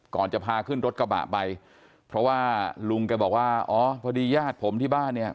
ก่อนจะพาขึ้นรถกระบะไปเพราะว่าลุงแกบอกว่าอ๋อพอดีญาติผมที่บ้านเนี่ย